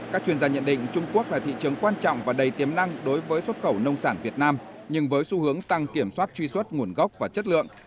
các chuyên gia nhận định trung quốc là thị trường quan trọng và đầy tiềm năng đối với xuất khẩu nông sản việt nam nhưng với xu hướng tăng kiểm soát truy xuất nguồn gốc và chất lượng